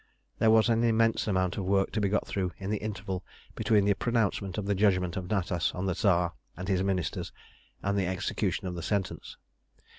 There was an immense amount of work to be got through in the interval between the pronouncement of the judgment of Natas on the Tsar and his Ministers and the execution of the sentence.